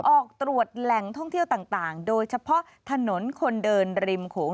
ออกตรวจแหล่งท่องเที่ยวต่างโดยเฉพาะถนนคนเดินริมโขง